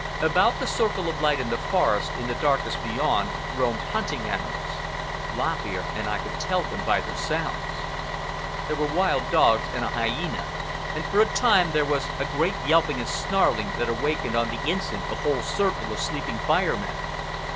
About the circle of light in the forest, in the darkness beyond, roamed hunting animals. Lop Ear and I could tell them by their sounds. There were wild dogs and a hyena, and for a time there was a great yelping and snarling that awakened on the instant the whole circle of sleeping Fire Men.